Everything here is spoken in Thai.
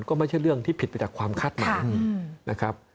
ก็ไม่ใช่เรื่องที่ผิดไปจากความคาดหมายนะครับ